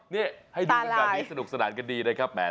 นี่ให้ดูสิ่งตอนนี้สนุกสนานกันดีนะครับแหม